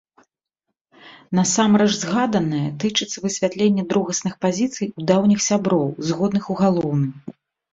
Насамрэч згаданае тычыцца высвятлення другасных пазіцый у даўніх сяброў, згодных у галоўным.